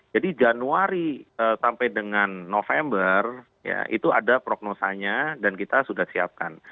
jadi januari sampai dengan november ya itu ada prognosanya dan kita sudah siapkan